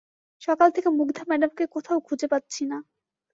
সকাল থেকে মুগ্ধা ম্যাডামকে কোথাও খুঁজে পাচ্ছি না।